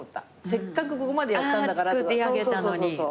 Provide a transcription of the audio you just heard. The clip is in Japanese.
せっかくここまでやったんだからとか。